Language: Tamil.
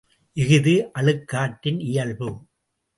இஃது அழுக்காற்றின் இயல்பு!